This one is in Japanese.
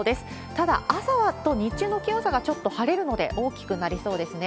ただ、朝と日中の気温差が、ちょっと晴れるので、大きくなりそうですね。